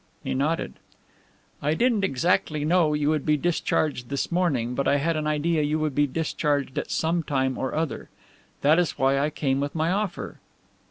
He nodded. "I didn't exactly know you would be discharged this morning, but I had an idea you would be discharged at some time or other. That is why I came with my offer."